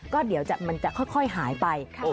ก็เดี๋ยวมันจะค่อยหายไป